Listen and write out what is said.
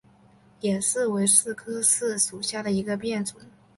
野柿为柿科柿属下的一个变种。